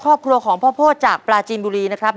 ครอบครัวของพ่อโพธิจากปลาจีนบุรีนะครับ